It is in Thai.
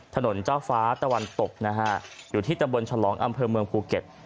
ถนนเจ้าฟ้าตะวันตกนะฮะอยู่ที่ตำบลฉลองอำเภอเมืองภูเก็ต